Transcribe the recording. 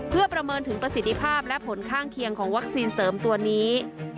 เพื่อประเมินถึงประสิทธิภาพและผลข้างเคียงของวัคซีนเสริมตัวนี้